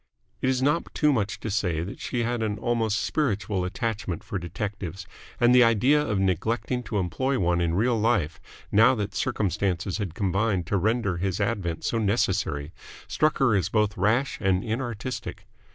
It is not too much to say that she had an almost spiritual attachment for detectives, and the idea of neglecting to employ one in real life, now that circumstances had combined to render his advent so necessary, struck her as both rash and inartistic.